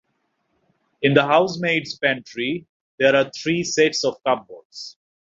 In the housemaid's pantry there are three sets of cupboards.